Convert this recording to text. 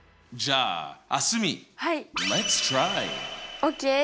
ＯＫ！